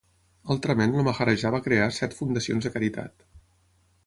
Altrament el maharajà va crear set fundacions de caritat.